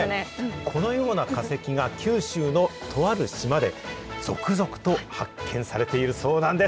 このような化石が九州のとある島で、続々と発見されているそうなんです。